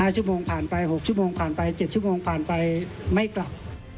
ชั่วโมงผ่านไป๖ชั่วโมงผ่านไป๗ชั่วโมงผ่านไปไม่กลับ